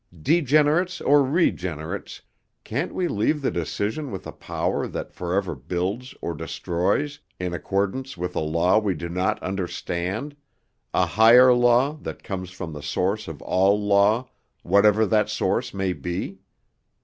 Degenerates or regenerates, can't we leave the decision with a power that forever builds or destroys, in accordance with a law we do not understand, a higher law that comes from the source of all law, whatever that source may be?